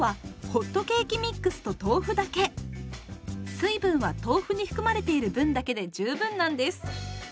水分は豆腐に含まれている分だけで十分なんです。